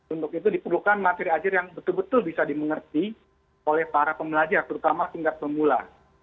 untuk itu diperlukan materi ajar yang betul betul bisa dimengerti oleh para pembelajar terutama tingkat pemula